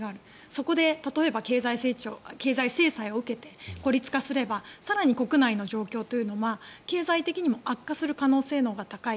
そこで例えば経済制裁を受けて孤立化すれば更に国内の状況も、経済的にも悪化する可能性のほうが高い。